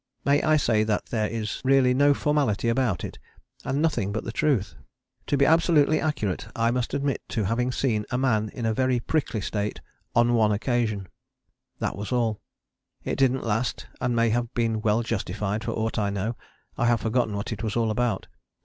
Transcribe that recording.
May I say that there is really no formality about it, and nothing but the truth. To be absolutely accurate I must admit to having seen a man in a very 'prickly' state on one occasion. That was all. It didn't last and may have been well justified for aught I know: I have forgotten what it was all about.